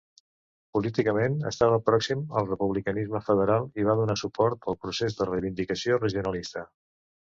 Políticament estava pròxim al republicanisme federal i va donar suport al procés de reivindicació regionalista.